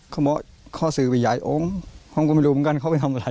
เขาบอกขอซื้อไปหยายโอ้มผมก็ไม่รู้เหมือนกันเขาไปทำอะไร